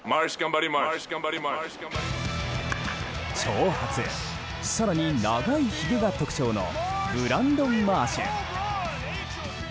長髪、更に長いひげが特徴のブランドン・マーシュ。